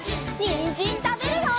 にんじんたべるよ！